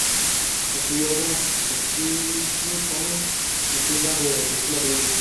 Escribió algunos el Espíritu comics, incluso antes de producir la película.